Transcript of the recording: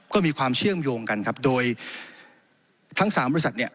ก็มีความเชื่อมโยงกันครับโดยทั้งสามบริษัทเนี่ย